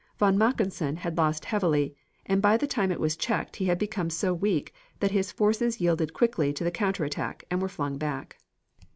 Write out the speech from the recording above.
Von Mackensen had lost heavily, and by the time it was checked he had become so weak that his forces yielded quickly to the counter attack and were flung back.